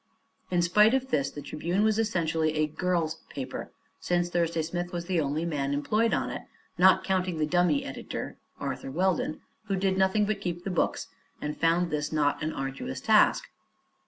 In spite of this, the Tribune was essentially a "girls' paper," since Thursday Smith was the only man employed on it not counting the "dummy" editor, Arthur Weldon, who did nothing but keep the books, and found this not an arduous task.